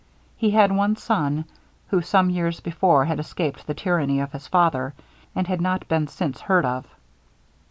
He had one son, who some years before had escaped the tyranny of his father, and had not been since heard of.